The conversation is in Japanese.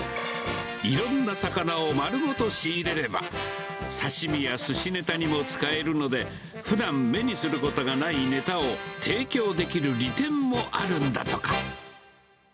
いろんな魚を丸ごと仕入れれば、刺身やすしネタにも使えるので、ふだん目にすることがないネタを提供できる利点もあるんだとか。